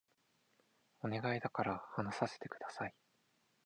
お願いだから話させて下さい